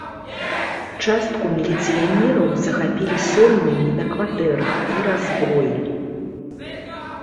Частку міліцыянераў захапілі соннымі на кватэрах і раззброілі.